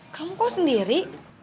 kamu kok sendiri